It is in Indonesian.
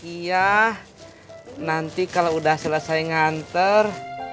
iya nanti kalau udah selesai nganter